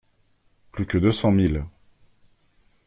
Plus que deux cents miles.